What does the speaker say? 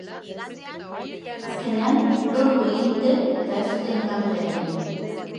Azkenean, lortu egin dute eta ez dute enkantea egin.